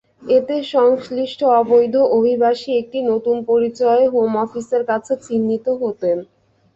এতে সংশ্লিষ্ট অবৈধ অভিবাসী একটি নতুন পরিচয়ে হোম অফিসের কাছে চিহ্নিত হতেন।